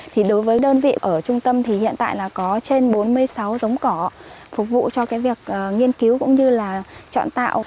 thì đối với đơn vị ở trung tâm thì hiện tại là có trên bốn mươi sáu giống cỏ phục vụ cho cái việc nghiên cứu cũng như là chọn tạo